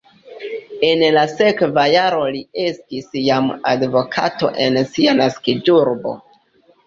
En la sekva jaro li estis jam advokato en sia naskiĝurbo.